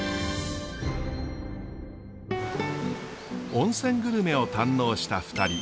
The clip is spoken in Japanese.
温泉グルメを堪能した２人。